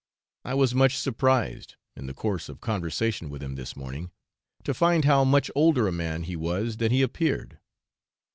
I was much surprised, in the course of conversation with him this morning, to find how much older a man he was than he appeared.